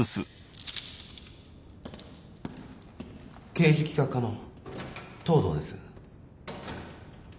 ・刑事企画課の東堂です。